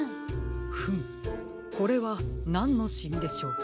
フムこれはなんのシミでしょうか。